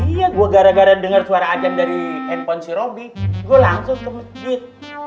iya gue gara gara dengar suara ajan dari handphone si robby gue langsung ke masjid